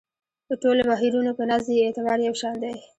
د ټولو بهیرونو په نزد یې اعتبار یو شان دی.